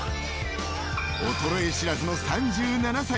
衰え知らずの３７歳。